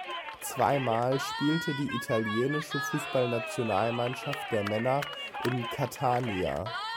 Zwei Mal spielte die Italienische Fußballnationalmannschaft der Männer in Catania.